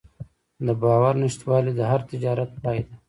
د باور نشتوالی د هر تجارت پای ده.